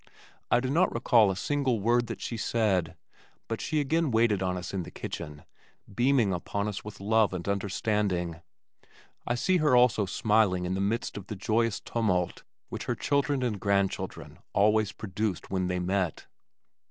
I do not recall a single word that she said, but she again waited on us in the kitchen, beaming upon us with love and understanding. I see her also smiling in the midst of the joyous tumult which her children and grandchildren always produced when they met.